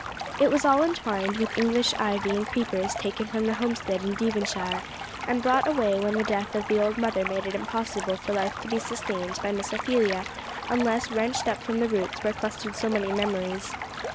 It was all entwined with English ivy and creepers taken from the homestead in Devonshire, and brought away when the death of the old mother made it impossible for life to be sustained by Miss Ophelia unless wrenched up from the roots where clustered so many memories.